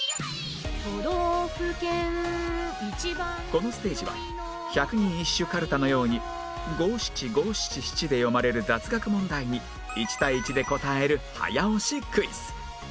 このステージは百人一首かるたのように五七五七七で読まれる雑学問題に１対１で答える早押しクイズ